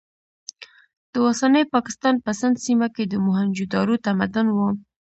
د اوسني پاکستان په سند سیمه کې د موهنجو دارو تمدن و.